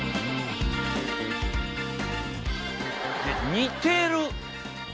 似てる。